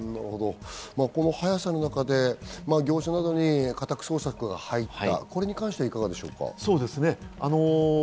この早さの中で業者などに家宅捜索が入ったことに関してはいかがですか？